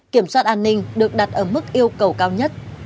kiểm soát an ninh được đặt ở mức yêu cầu cao nhất